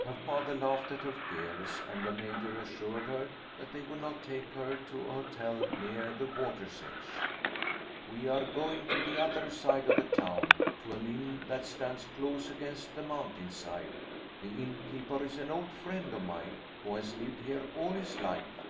Her father laughed at her fears, and the Major assured her that they would not take her to a hotel near the water's edge. "We are going to the other side of the town, to an inn that stands close against the mountainside. The inn keeper is an old friend of mine, who has lived here all his life."